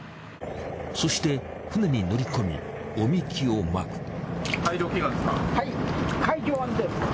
そして船に乗り込みお神酒を撒く。